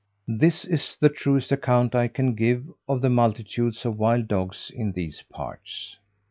This is the truest account I can give of the multitudes of wild dogs in these parts.